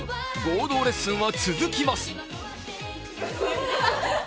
合同レッスンは続きます。